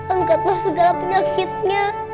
angkatlah segala penyakitnya